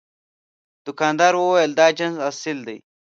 دوکاندار وویل دا جنس اصل دی.